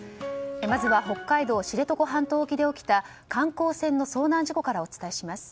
まずは北海道知床半島沖で起きた観光船の遭難事故からお伝えします。